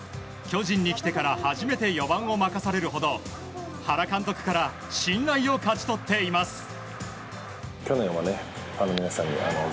巨人に来てから初めて４番を任されるほど原監督から信頼を勝ち取っています。